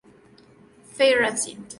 Foyt Racing.